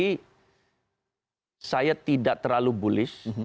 jadi saya tidak terlalu bullish